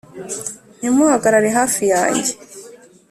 ntimuhagarare hafi yanjye